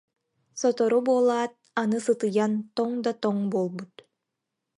Сотору буолаат, аны сытыйан тоҥ да тоҥ буолбут